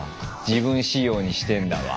自分仕様にしてんだわ。